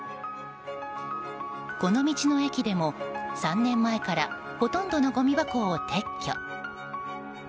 この道の駅でも３年前からほとんどのごみ箱を撤去。